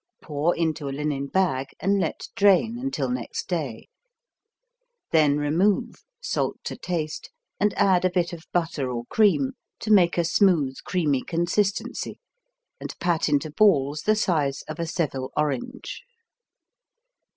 Pour into a linen bag and let drain until next day. Then remove, salt to taste and add a bit of butter or cream to make a smooth, creamy consistency, and pat into balls the size of a Seville orange.